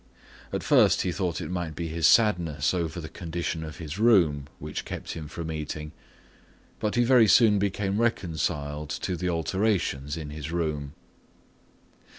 At first he thought it might be his sadness over the condition of his room which kept him from eating, but he very soon became reconciled to the alterations in his room.